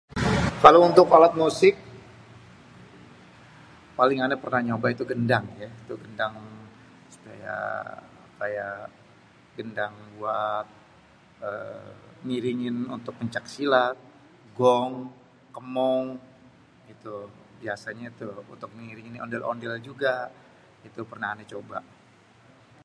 kalu untuk alat musik paling ané pernah nyobain itu gêndang yé itu gêndang supaya, kaya gendang buat êê ngiringin untuk pencak silat, gong, kemong, itu biasenyé toh untuk ngiringin ondél-ondél juga itu pernah ané coba.